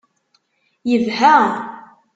Yebha.